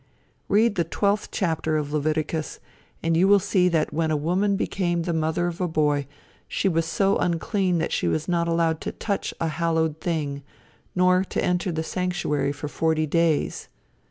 Read the twelfth chapter of Leviticus, and you will see that when a woman became the mother of a boy she was so unclean that she was not allowed to touch a hallowed thing, nor to enter the sanctuary for forty days.